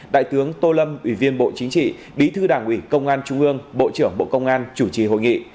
đại tướng tô lâm ủy viên bộ chính trị bí thư đảng ủy công an trung ương bộ trưởng bộ công an chủ trì hội nghị